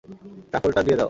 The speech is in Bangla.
ট্রাফলটা দিয়ে দাও।